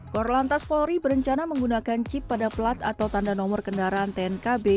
korlantas polri berencana menggunakan chip pada plat atau tanda nomor kendaraan tnkb